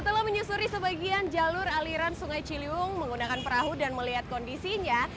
setelah menyusuri sebagian jalur aliran sungai ciliwung menggunakan perahu dan melihat kondisinya